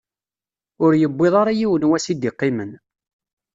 Ur yewwiḍ ara yiwen wass i d-iqqimen.